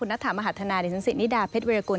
นักฐานมหาธนาในสถิตินิดาเพชรวีรกุล